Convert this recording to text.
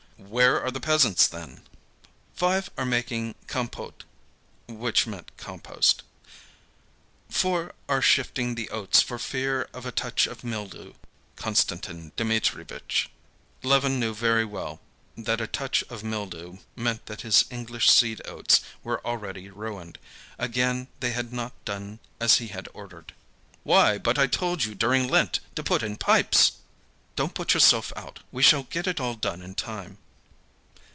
"Where are the peasants, then?" "Five are making compôte" (which meant compost), "four are shifting the oats for fear of a touch of mildew, Konstantin Dmitrievitch." Levin knew very well that "a touch of mildew" meant that his English seed oats were already ruined. Again they had not done as he had ordered. "Why, but I told you during Lent to put in pipes," he cried. "Don't put yourself out; we shall get it all done in time."